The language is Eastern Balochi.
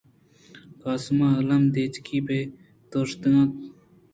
کاسم ءُ الی ڈاچی بے دوشگ ءَ ات اَنت۔